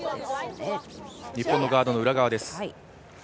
日本のガードの裏側です。